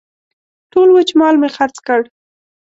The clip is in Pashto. ټول وچ مال مې خرڅ کړ.